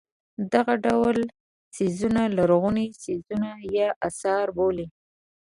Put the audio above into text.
دغه ډول څیزونه لرغوني څیزونه یا اثار بولي.